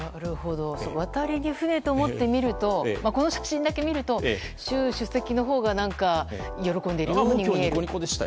渡りに船と思ってこの写真だけ見ると習主席のほうが喜んでいるように見える。